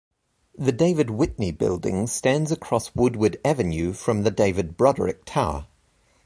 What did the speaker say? The David Whitney Building stands across Woodward Avenue from the David Broderick Tower.